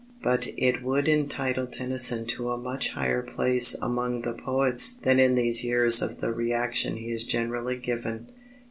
But it would entitle Tennyson to a much higher place among the poets than in these years of the reaction he is generally given.